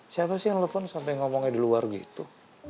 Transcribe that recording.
siapa sih yang nelfon sampai ngomongnya di luar gitu